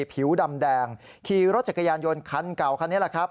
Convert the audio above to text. ผิวดำแดงขี่รถจักรยานยนต์คันเก่าคันนี้แหละครับ